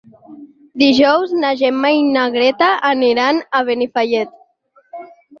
Dijous na Gemma i na Greta aniran a Benifallet.